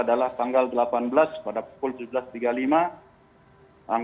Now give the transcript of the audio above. ini bermula dari tanggal sepuluh terjadi pemunculan kelompok alikalora dan ikrimah kemudian